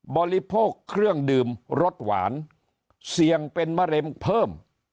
บริโภคเครื่องดื่มรสหวานเสี่ยงเป็นมะเร็งเพิ่ม